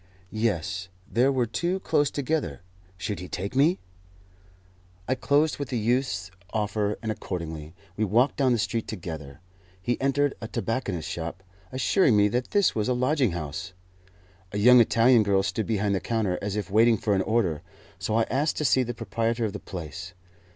Yes, there were two close together. Should he take me? I closed with the youth's offer, and accordingly we walked down the street together. He entered a tobacconist's shop, assuring me that this was a lodging house. A young Italian girl stood behind the counter, as if waiting for an order; so I asked to see the proprietor of the place.